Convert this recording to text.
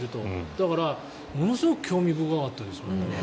だからものすごく興味深かったです。